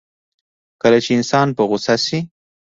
کله چې انسان په غوسه شي.